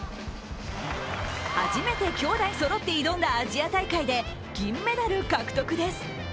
初めて兄弟そろって挑んだアジア大会で銀メダル獲得です。